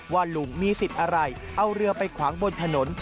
ว่าลุงมีสิทธิ์อะไรเอาเรือไปขวางบนถนน